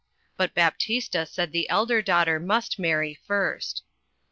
But Baptista said the elder daughter must marry first.